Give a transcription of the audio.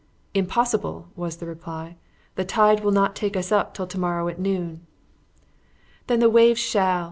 "Impossible!" was the reply: "the tide will not take us up till to morrow at noon." "Then the waves shall!"